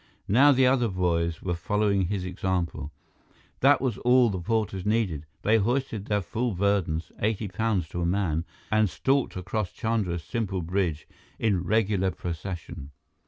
Now the other boys were following his example. That was all the porters needed. They hoisted their full burdens, eighty pounds to a man, and stalked across Chandra's simple bridge in regular procession.